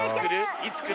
いつくる？